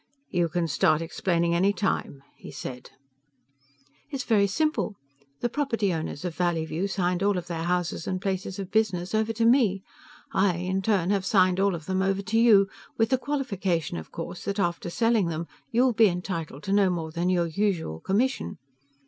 "You can start explaining any time," he said. "It's very simple. The property owners of Valleyview signed all of their houses and places of business over to me. I, in turn, have signed all of them over to you with the qualification, of course, that after selling them you will be entitled to no more than your usual commission."